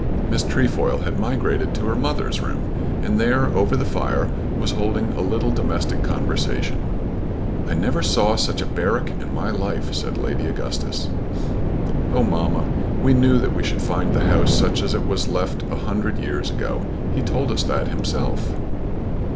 Miss Trefoil had migrated to her mother's room, and there, over the fire, was holding a little domestic conversation. "I never saw such a barrack in my life," said Lady Augustus. "Of course, mamma, we knew that we should find the house such as it was left a hundred years ago. He told us that himself."